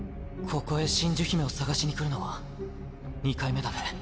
ここへ真珠姫を捜しに来るのは２回目だね。